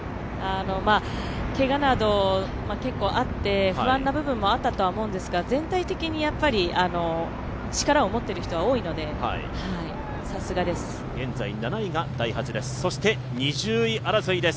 けがなど結構あって不安な部分もあったと思うんですが全体的に力を持っている人は多いので、さすがです。